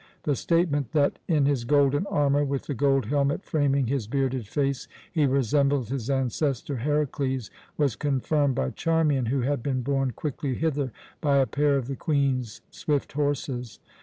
The statement that, in his golden armour, with the gold helmet framing his bearded face, he resembled his ancestor Herakles, was confirmed by Charmian, who had been borne quickly hither by a pair of the Queen's swift horses.